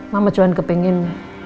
mama cuman kepingin